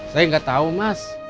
saya gak tau mas